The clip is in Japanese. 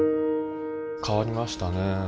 変わりましたね。